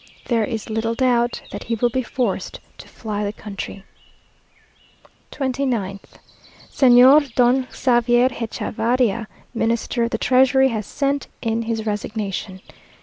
There is little doubt that he will be forced to fly the country. 29th. Señor Don Xavier Hechavarria, Minister of the Treasury, has sent in his resignation.